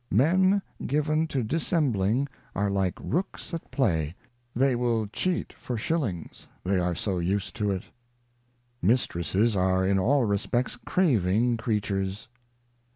' Men given to dissembling are like Rooks at play, they will cheat for shillings, they are so used to it.' ' Mistresses are in all Respects craving Creatures.'